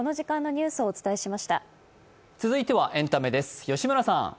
続いてはエンタメです。